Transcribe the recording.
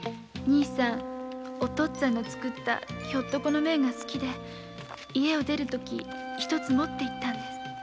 「兄さんおとっつぁんの作ったヒョットコの面が好きで家を出るとき一つ持っていったんです」